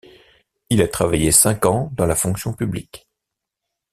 Il a travaillé cinq ans dans la fonction publique.